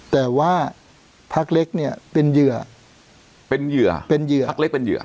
แต่ว่าพักเล็กเนี่ยเป็นเหยื่อเป็นเหยื่อเป็นเหยื่อพักเล็กเป็นเหยื่อ